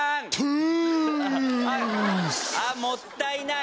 あっもったいない！